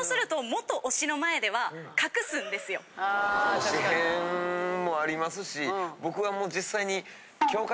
推し変もありますし僕はもう実際に。